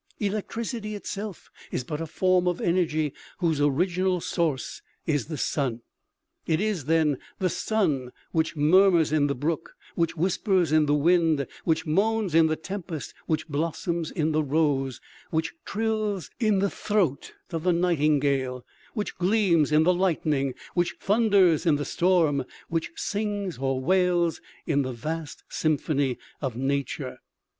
Electricity itself is but a form of energy whose original source is the sun. It is, then, the sun which murmurs in the brook, which whispers in the wind, which moans in the tempest, which blossoms in the rose, which trills in the throat of the nightingale, which gleams in the lightning, which thunders in the storm, which sings or wails in the vast symphony of nature.